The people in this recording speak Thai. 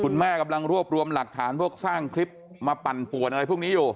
กำลังรวบรวมหลักฐานพวกสร้างคลิปมาปั่นป่วนอะไรพวกนี้อยู่